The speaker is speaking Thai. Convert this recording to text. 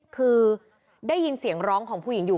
คือได้ยินเสียงร้องของผู้หญิงอยู่